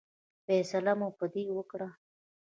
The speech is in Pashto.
فیصله مو په دې وکړه.